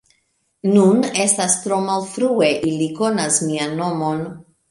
Nun, estas tro malfrue, ili konas mian nomon.